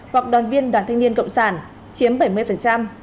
hoặc đoàn viên đoàn thanh niên cộng sản chiếm bảy mươi